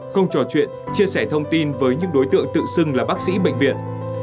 không trò chuyện chia sẻ thông tin với những đối tượng tự xưng là bác sĩ bệnh viện